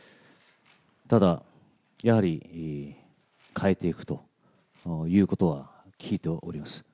ただ、やはり変えていくということは聞いております。